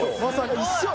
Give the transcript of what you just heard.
一緒！